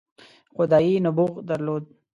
خدايي نبوغ درلود.